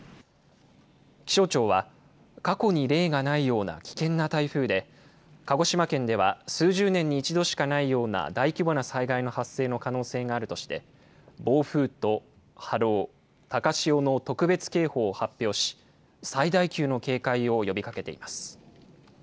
気象庁は、過去に例がないような危険な台風で、鹿児島県では数十年に一度しかないような大規模な災害の発生の可能性があるとして、暴風と波浪、高潮の特別警報を発表し、最大級の警戒を呼びかけています。